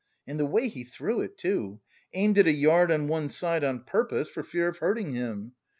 And the way he threw it too: aimed it a yard on one side on purpose, for fear of hurting him.